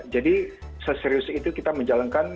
jadi seserius itu kita menjalankan